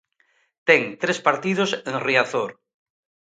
Ten tres partidos en Riazor.